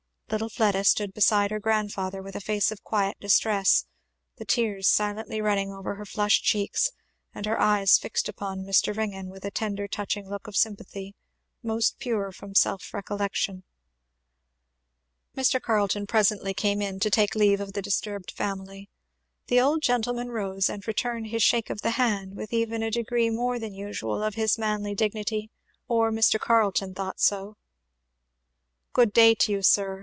Little Fleda stood beside her grandfather with a face of quiet distress; the tears silently running over her flushed cheeks, and her eyes fixed upon Mr. Ringgan with a tender touching look of sympathy, most pure from self recollection. Mr. Carleton presently came in to take leave of the disturbed family. The old gentleman rose and returned his shake of the hand with even a degree more than usual of his manly dignity, or Mr. Carleton thought so. "Good day to you, sir!"